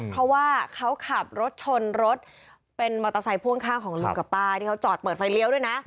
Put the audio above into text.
เพราะว่าเขาขับรถชนรถเป็นมอเตอร์ไซค์พ่วงข้างของลุงกับป้าที่เขาจอดเปิดไฟเลี้ยวด้วยนะ